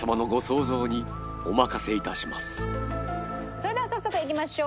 それでは早速いきましょう。